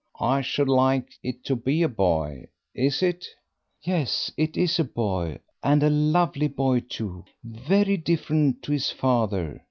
I should like it to be a boy is it?" "Yes, it is a boy, and a lovely boy too; very different to his father.